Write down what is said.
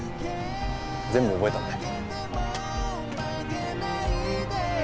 全部覚えたので。